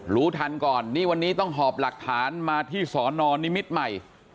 รู้ทันก่อนนี่วันนี้ต้องหอบหลักฐานมาที่สอนอนนิมิตรใหม่